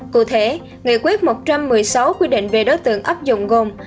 cụ thể nghị quyết một trăm một mươi sáu quy định về đối tượng áp dụng gồm